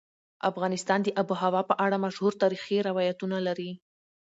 افغانستان د آب وهوا په اړه مشهور تاریخي روایتونه لري.